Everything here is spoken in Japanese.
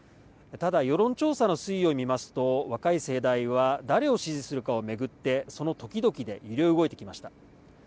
ただ、世論調査の推移を見ますと若い世代は誰を支持するかを巡ってその時々で揺れ動いてきました。